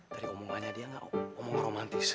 tadi omongannya dia gak omong romantis